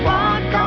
pertama dan terakhir